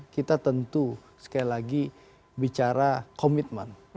kita tentu sekali lagi bicara komitmen